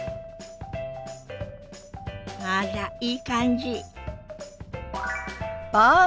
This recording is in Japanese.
あらいい感じ。